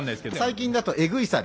最近だとエグい猿。